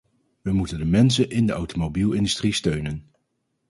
We moeten de mensen in de automobielindustrie steunen.